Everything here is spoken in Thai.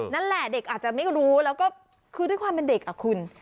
นั่นแหละเด็กอาจจะไม่รู้แล้วก็คือด้วยความเป็นเด็กอ่ะคุณ